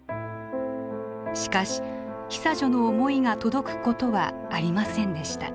しかし久女の思いが届くことはありませんでした。